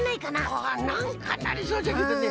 あなんかなりそうじゃけどね。